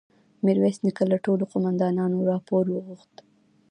ميرويس نيکه له ټولو قوماندانانو راپور وغوښت.